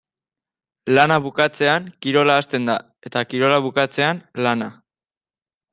Lana bukatzean kirola hasten da eta kirola bukatzean lana.